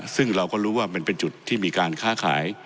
ซึ่งเราก็รู้ว่ามันเป็นจุดที่มีการค้าขาย